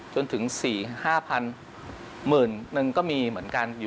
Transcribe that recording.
จนถึง๔๕๐๐๐บาทหมื่นนึงก็มีเหมือนกัน